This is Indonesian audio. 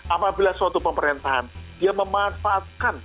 apabila suatu pemerintahan dia memanfaatkan